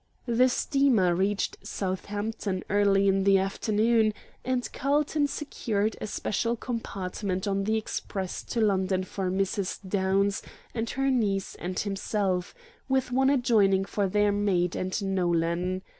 The steamer reached Southampton early in the afternoon, and Carlton secured a special compartment on the express to London for Mrs. Downs and her niece and himself, with one adjoining for their maid and Nolan.